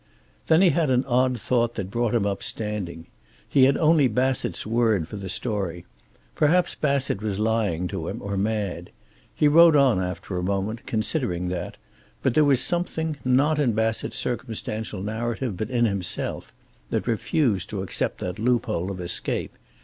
Then he had an odd thought, that brought him up standing. He had only Bassett's word for the story. Perhaps Bassett was lying to him, or mad. He rode on after a moment, considering that, but there was something, not in Bassett's circumstantial narrative but in himself, that refused to accept that loophole of escape.